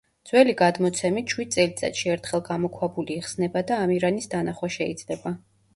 ძველი გადმოცემით შვიდ წელიწადში ერთხელ გამოქვაბული იხსნება და ამირანის დანახვა შეიძლება.